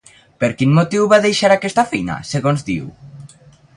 Per quin motiu va deixar aquesta feina, segons diu?